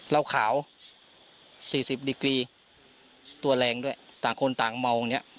เล่าขาวสี่สิบดีกรีตัวแรงด้วยต่างคนต่างเมาเนี้ย